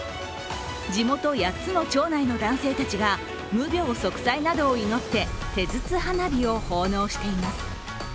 地元８つの町内の男性たちが無病息災などを祈って手筒花火を奉納しています。